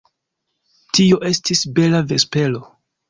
Tio estis bela vespero.